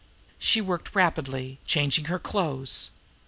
She worked rapidly now, changing her clothes.